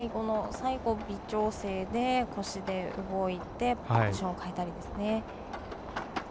最後の最後微調整で腰で動いてポジションを変えたりですね。